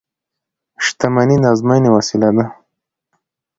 • شتمني د ازموینې وسیله ده.